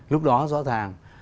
lúc đó rõ ràng